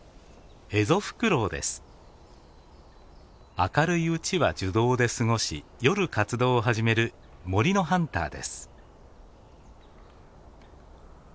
明るいうちは樹洞で過ごし夜活動を始める森のハンターです。